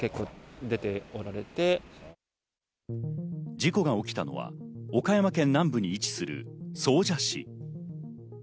事故が起きたのは岡山県南部に位置する総社市。